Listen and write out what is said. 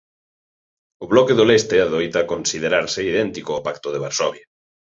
O Bloque do Leste adoita considerarse idéntico ao Pacto de Varsovia.